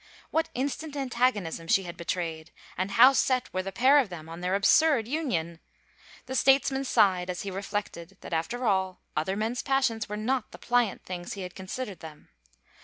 What instant antagonism she had betrayed 1 And how set were the pair of them on their absurd union ! The statesman sighed as he reflected that after all other men's passions were not the pliant things he had considered them.